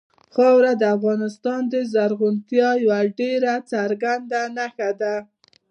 خاوره د افغانستان د زرغونتیا یوه ډېره څرګنده نښه ده.